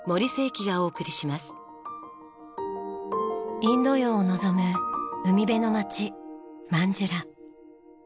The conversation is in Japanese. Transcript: インド洋を望む海辺の街マンジュラ。